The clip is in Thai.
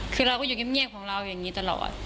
คือเราก็อยู่เงียบของเราอย่างนี้ตลอด